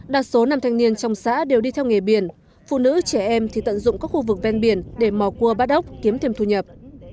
đa số năm thanh niên trong xã đều đi theo nghề biển phụ nữ trẻ em thì tận dụng các khu vực ven biển để mò cua bát ốc kiếm thêm thu nhập